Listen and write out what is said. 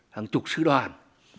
hàng chục sứ đoàn